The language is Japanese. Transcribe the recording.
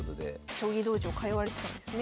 将棋道場通われてたんですね。